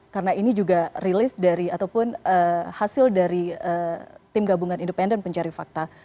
karena ini juga rilis dari ataupun hasil dari tim gabungan independen pencari fakta